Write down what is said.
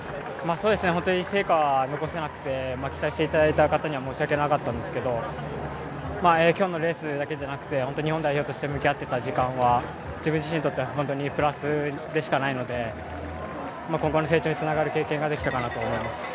本当に成果を残せなくて期待していただいた方には申し訳なかったんですけど今日のレースだけじゃなくて本当に日本代表として向き合っていた時間は自分自身にとっては本当にプラスでしかないので今後の成長につながる経験ができたかなと思います。